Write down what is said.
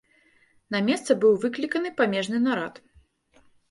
На месца быў выкліканы памежны нарад.